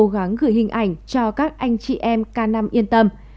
em cố gắng gửi hình ảnh cho các anh chị em k năm yên tâm